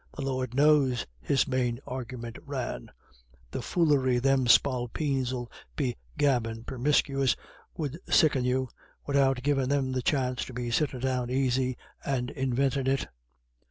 "The Lord knows," his main argument ran, "the foolery them spalpeens 'ill be gabbin' permiscuis would sicken you, widout givin' them the chance to be sittin' down aisy and invintin' it."